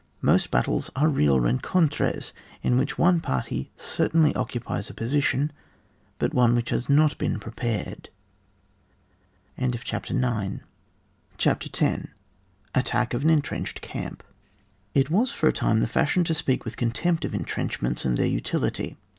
Most battles are real rencontres" in which one party certainly occupies a position, but one which has not been prepared. CHAPTER X. ATTACK OF AN ENTRENCHED CAMP. It was for a time the fashion to speak with contempt of entrenchments and their utility.